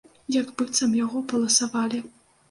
Як быццам яго паласавалі.